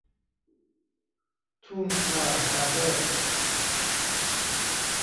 ทุ่งคาฮาเบอร์